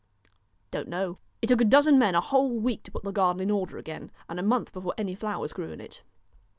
* Don't know.' It took a dozen men a whole week to put the gar den in order again, and a month before any flowers grew in it.